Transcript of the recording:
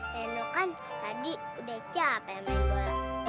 reno kan tadi udah capek main bola